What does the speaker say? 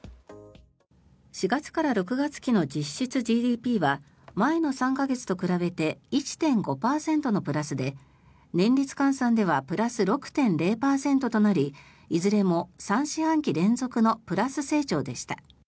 ４月から６月期の実質ＧＤＰは前の３か月と比べて１．５％のプラスで年率換算ではプラス６．０％となりいずれも３四半期連続のプラス成長でした。